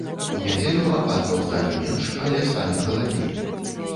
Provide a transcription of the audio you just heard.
У нядзелю ападкаў стане менш, але стане халадней.